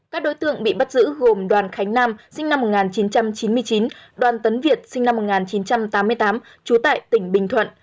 các đối tượng bị bắt giữ gồm đoàn khánh nam sinh năm một nghìn chín trăm chín mươi chín đoàn tấn việt sinh năm một nghìn chín trăm tám mươi tám trú tại tỉnh bình thuận